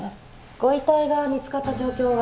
ご遺体が見つかった状況は？